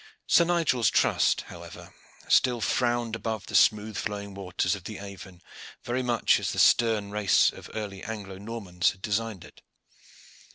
Sir Nigel's trust, however, still frowned above the smooth flowing waters of the Avon, very much as the stern race of early Anglo Normans had designed it.